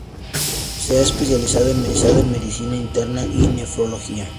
Se ha especializado en medicina interna y nefrología.